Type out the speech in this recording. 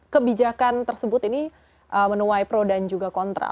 kebijakan tersebut ini menuai pro dan juga kontra